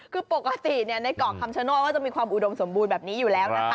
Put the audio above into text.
คือปกติในเกาะคำชโนธก็จะมีความอุดมสมบูรณ์แบบนี้อยู่แล้วนะคะ